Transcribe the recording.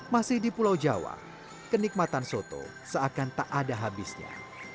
masih di pulau jawa kenikmatan soto seakan tak ada habisnya